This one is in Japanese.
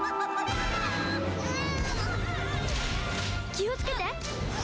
「気を付けて！」